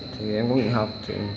thì em có nghị học